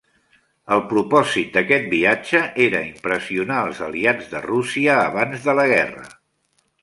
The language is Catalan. El propòsit d'aquest viatge era impressionar els aliats de Rússia abans de la guerra.